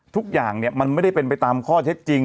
ทุกอย่างมันไม่ได้เป็นไปตามข้อเท็จจริง